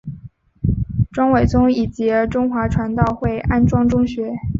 庄伟忠以及中华传道会安柱中学。